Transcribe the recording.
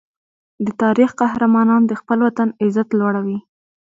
د تاریخ قهرمانان د خپل وطن عزت لوړوي.